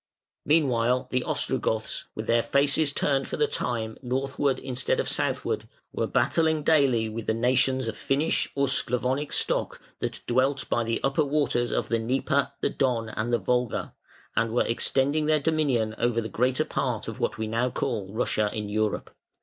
Meanwhile the Ostrogoths, with their faces turned for the time northward instead of southward, were battling daily with the nations of Finnish or Sclavonic stock that dwelt by the upper waters of the Dnieper, the Don, and the Volga, and were extending their dominion over the greater part of what we now call Russia in Europe.